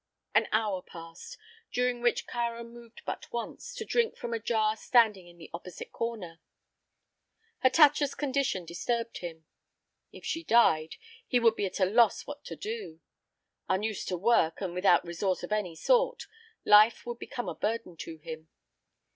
An hour passed, during which Kāra moved but once, to drink from a jar standing in the opposite corner. Hatatcha's condition disturbed him. If she died, he would be at a loss what to do. Unused to work and without resource of any sort, life would become a burden to him.